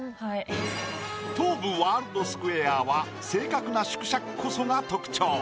東武ワールドスクウェアは正確な縮尺こそが特徴。